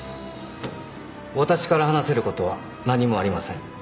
私から話せることは何もありません。